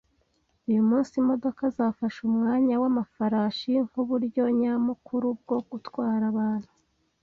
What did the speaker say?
Uyu munsi, imodoka zafashe umwanya wamafarashi nkuburyo nyamukuru bwo gutwara abantu